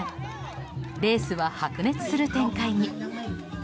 レースは白熱する展開に。